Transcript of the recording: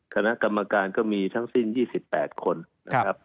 คณะกรรมการก็มีทั้งสิ้น๒๘คนนะครับ